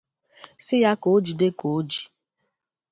sị ya ka o jide ka o jì.